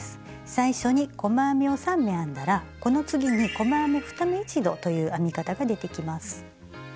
最初に細編みを３目編んだらこの次に「細編み２目一度」という編み方が出てきます。